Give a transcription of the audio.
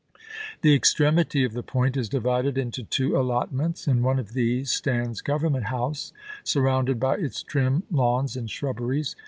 The extremity of the point is divided into two allotments. In one of these stands Government House, surrounded by its trim lawns and shrubberies.